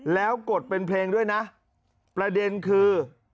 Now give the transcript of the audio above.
แล้วกดเป็นเพลงด้วยนะประเด็นคือ